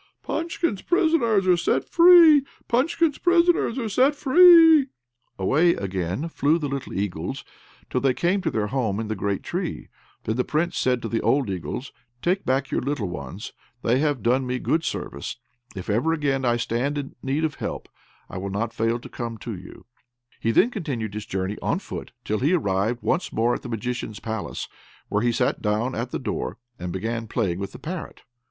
Away, away flew the little eagles, till they came to their home in the great tree; then the Prince said to the old eagles, "Take back your little ones; they have done me good service; if ever again I stand in need of help, I will not fail to come to you." He then continued his journey on foot till he arrived once more at the Magician's palace, where he sat down at the door and began playing with the parrot.